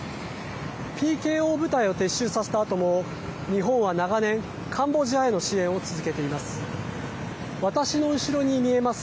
ＰＫＯ部隊を撤収させたあとも日本は長年、カンボジアへの支援を続けています。